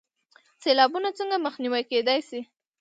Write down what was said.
سیلابونه څنګه مخنیوی کیدی شي؟